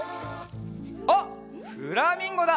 あっフラミンゴだ！